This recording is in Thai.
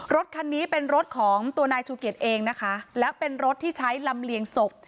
รถคันนี้เป็นรถของตัวนายชูเกียจเองนะคะแล้วเป็นรถที่ใช้ลำเลียงศพ